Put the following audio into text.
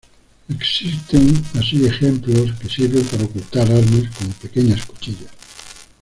Existe así ejemplos, que sirven paras ocultar armas, como pequeñas cuchillas.